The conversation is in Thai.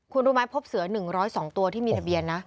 คุณรู้ไหมพบเสือ๑๐๒ตัวที่มีทะเบียนนะ